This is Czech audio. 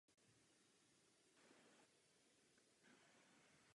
Také během vysílání odkazuje na zajímavé reportáže hlavních Televizních novin.